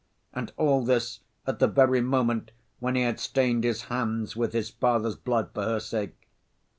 And all this at the very moment when he had stained his hands with his father's blood for her sake!